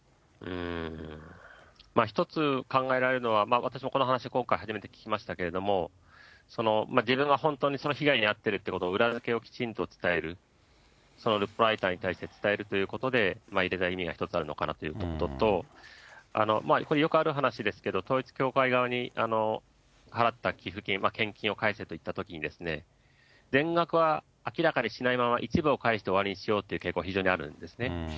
一つ、考えられるのは、私もこの話、今回初めて聞きましたけれども、自分が本当にその被害に遭っているということを、裏付けをきちんと伝える、そのルポライターに対して伝えるということで、入れた意味が一つあるのかなと思うのと、これ、よくある話ですけれども、統一教会側に払った寄付金、献金を返せと言ったときに、全額は明らかにしないまま一部を返して終わりにしようという傾向、非常にあるんですね。